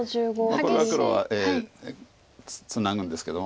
これは黒はツナぐんですけども。